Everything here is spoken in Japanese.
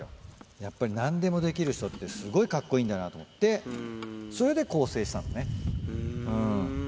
やっぱり、なんでもできる人って、すごいかっこいいんだなと思って、それで更生したのね。